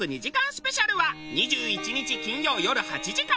スペシャルは２１日金曜よる８時から。